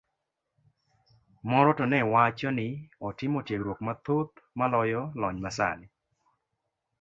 Moro to ne wacho ni otimo tiegruok mathoth maloyo lony masani.